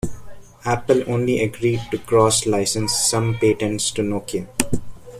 Apple only agreed to cross-license some patents to Nokia.